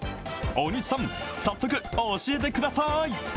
大西さん、早速教えてください。